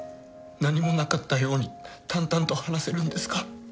何もなかったように淡々と話せるんですか？